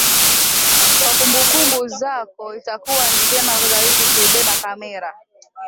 Kwa kumbukumbu zako itakuwa ni vema zaidi ukibeba kamera